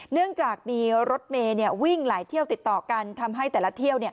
เนื่องจากมีรถเมย์วิ่งหลายเที่ยวติดต่อกันทำให้แต่ละเที่ยว